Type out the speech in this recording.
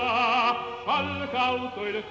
ああ。